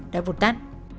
đã vụt tắt